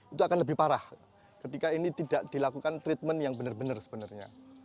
itu akan lebih parah ketika ini tidak dilakukan treatment yang benar benar sebenarnya